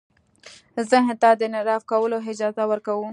ذهن ته د انحراف کولو اجازه ورکوو.